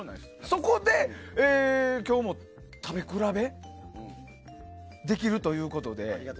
そこで今日も食べ比べできるということで。